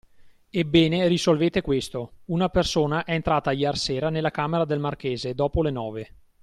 Ebbene, risolvete questo: una persona è entrata iersera nella camera del marchese, dopo le nove.